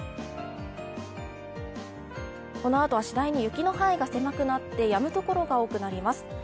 このあと、次第に雪の範囲が狭くなってやむところが多くなります。